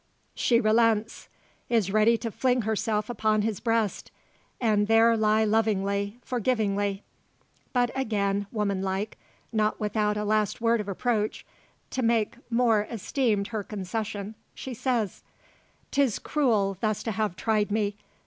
She relents; is ready to fling herself upon his breast, and there lie lovingly, forgivingly. But again woman like, not without a last word of reproach, to make more esteemed her concession, she says: "'Tis cruel thus to have tried me.